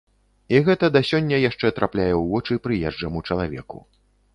І гэта да сёння яшчэ трапляе ў вочы прыезджаму чалавеку.